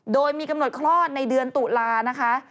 โดยมีกำหนดคลอดในเดือนตุลานะคะ